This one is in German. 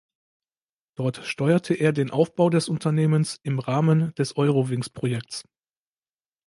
Dort steuerte er den Aufbau des Unternehmens im Rahmen des Eurowings Projekts.